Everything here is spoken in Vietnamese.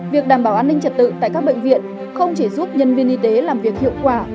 việc đảm bảo an ninh trật tự tại các bệnh viện không chỉ giúp nhân viên y tế làm việc hiệu quả